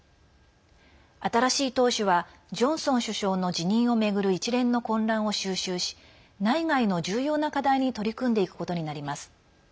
新しい党首はジョンソン首相の辞任を巡る一連の混乱を収拾し内外の重要な課題に取り組んでいくことになります。